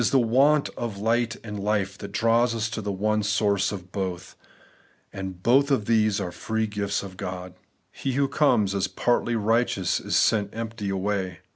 the want of light and life that draws us to the one source of both ; and both of these are the free gifts of God. He who conies as partly righteous is sent empty away.